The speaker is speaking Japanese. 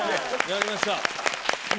やりました。